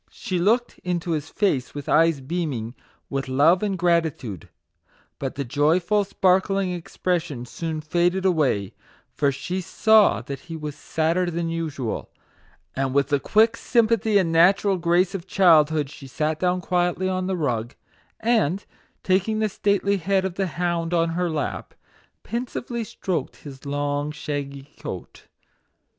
She looked into his face with eyes beaming with love and gratitude ; but the joyful, sparkling expression soon faded away, for she saw that he was sadder than usual; and with the quick sympathy and natural grace of child hood she sat down quietly on the rug, and taking the stately head of the hound on her lap, pensively stroked his long, shaggy coat.